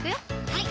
はい